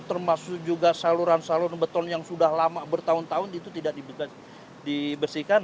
termasuk juga saluran saluran beton yang sudah lama bertahun tahun itu tidak dibersihkan